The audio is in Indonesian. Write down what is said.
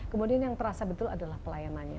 kemudian yang terasa betul adalah pelayanannya